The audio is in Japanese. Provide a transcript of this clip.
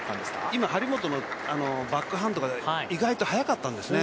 今、張本のバックハンドが意外と速かったんですね。